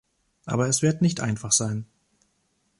Aber es wird nicht einfach sein.